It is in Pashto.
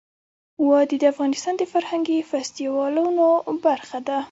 وادي د افغانستان د فرهنګي فستیوالونو برخه ده.